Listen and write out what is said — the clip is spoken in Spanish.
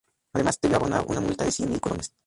Además, debió abonar una multa de cien mil colones.